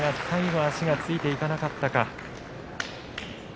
最後足がついていかなかったか。